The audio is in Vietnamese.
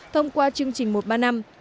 thông qua chương trình một ba năm